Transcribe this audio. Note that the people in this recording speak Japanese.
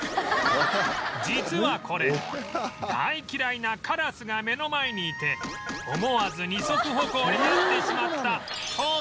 実はこれ大嫌いなカラスが目の前にいて思わず二足歩行になってしまったとっても貴重な瞬間でした